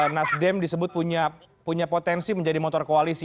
nasdem disebut punya potensi menjadi motor koalisi